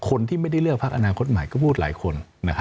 คนที่ไม่ได้เลือกพักอนาคตใหม่ก็พูดหลายคน